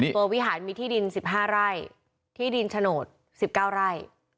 วิหารมีที่ดิน๑๕ไร่ที่ดินโฉนด๑๙ไร่